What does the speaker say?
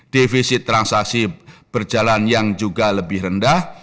defisit transaksi berjalan yang juga lebih rendah